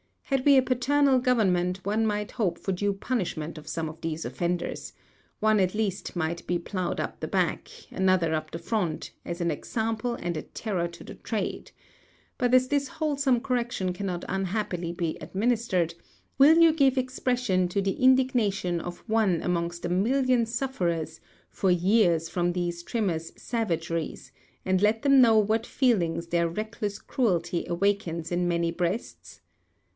Had we a paternal government, one might hope for due punishment of some of these offenders: one at least might be ploughed up the back, another up the front, as an example and a terror to the trade; but as this wholesome correction cannot unhappily be administered, will you give expression to the indignation of one amongst a million sufferers for years from these |44| trimmers' savageries, and let them know what feelings their reckless cruelty awakens in many breasts?